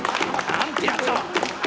何てやつだ。